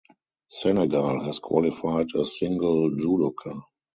Senegal has qualified a single judoka.